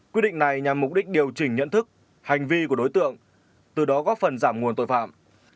quy định này nhằm mục đích điều chỉnh nhận thức hành vi của đối tượng từ đó góp phần giảm nguồn tội phạm